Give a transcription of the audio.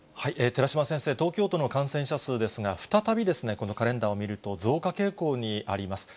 寺嶋先生、東京都の感染者数ですが、再びこのカレンダーを見ると、増加傾向にあります。